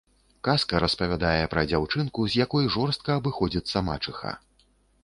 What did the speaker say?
Казка распавядае пра дзяўчынку, з якой жорстка абыходзіцца мачыха.